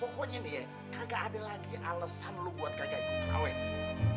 pokoknya nih kagak ada lagi alesan lu buat kagak ikut terawih